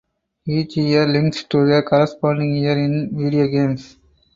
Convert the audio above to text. Each year links to the corresponding "year in video games".